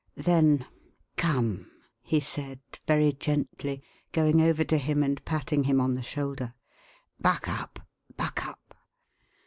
Then: "Come," he said, very gently, going over to him and patting him on the shoulder. "Buck up! Buck up!